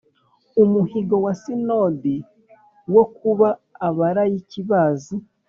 umuhigo wa sinodi wo kuba abalayiki bazi